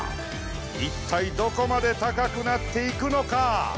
いったいどこまで高くなっていくのか？